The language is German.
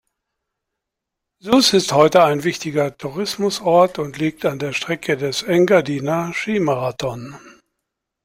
Zuoz ist heute ein wichtiger Tourismusort und liegt an der Strecke des Engadiner Skimarathon.